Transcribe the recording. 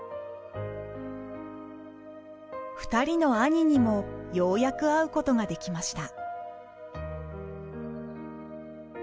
２人の兄にもようやく会うことができました。